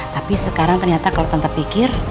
tapi sekarang ternyata kalau tetap pikir